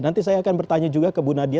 nanti saya akan bertanya juga ke bu nadia